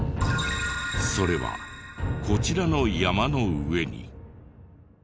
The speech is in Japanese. それはこちらの山の上に。